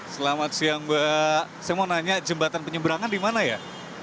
selamat siang mbak saya mau nanya jembatan penyeberangan di mana ya